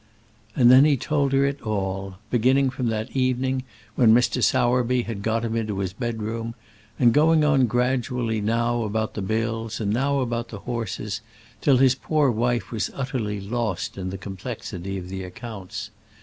And then he told it her all, beginning from that evening when Mr. Sowerby had got him into his bedroom, and going on gradually, now about the bills, and now about the horses, till his poor wife was utterly lost in the complexity of the accounts.